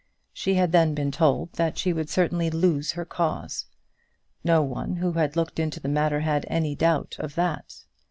She had then been told that she would certainly lose her cause. No one who had looked into the matter had any doubt of that.